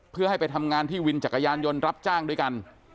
เพื่อให้ไปทำงานที่วินจักรยานยนต์รับจ้างด้วยกัน